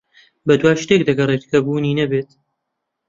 بەدوای شتێک دەگەڕێت کە بوونی نەبێت.